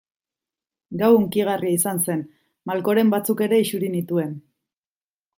Gau hunkigarria izan zen, malkoren batzuk ere isuri nituen.